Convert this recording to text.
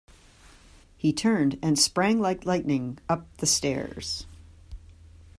He turned and sprang like lightning up the stairs.